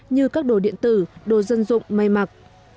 như các đồ điện tử đồ dân dụng may mặc